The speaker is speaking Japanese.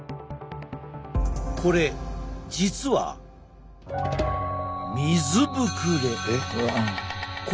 これ実は水ぶくれ。